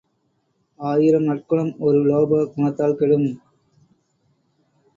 ஆயிரம் நற்குணம் ஒரு லோப குணத்தால் கெடும்.